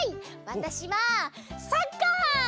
わたしはサッカー！